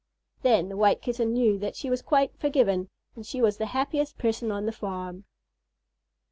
Then the White Kitten knew that she was quite forgiven, and she was the happiest person on the farm.